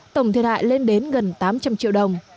tổng thiệt hại lên đến gần tám trăm linh triệu đồng